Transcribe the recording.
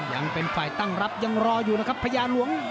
ยังเป็นฝ่ายตั้งรับยังรออยู่นะครับพญาหลวง